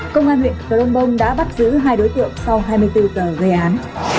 công an huyện cờ long bông đã bắt giữ hai đối tượng sau hai mươi bốn tờ gây án